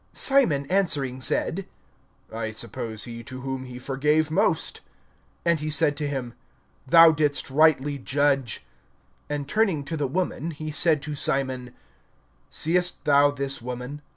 (43)Simon answering said: I suppose he to whom he forgave most. And he said to him: Thou didst rightly judge. (44)And turning to the woman, he said to Simon: Seest thou this woman?